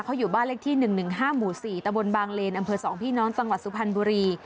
เขาอยู่บ้านเลขที่๑๑๕หมู่๔ตะบนบางเลนอำเภอ๒พี่น้องจังหวัดสุพรรณบุรี